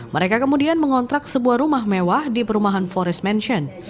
mereka kemudian mengontrak sebuah rumah mewah di perumahan forest mansion